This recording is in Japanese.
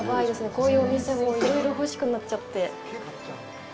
こういうお店、もういろいろ欲しくなっちゃって。